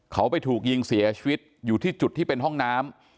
เขาไปถูกยิงเสียชีวิตอยู่ที่จุดที่เป็นห้องน้ำ